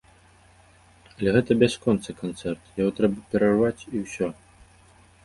Але гэта бясконцы канцэрт, яго трэба перарваць, і ўсё.